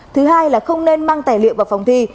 thứ hai là không nên mang tài liệu vào phòng thi